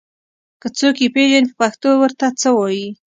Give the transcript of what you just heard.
که څوک يې پېژني په پښتو ور ته څه وايي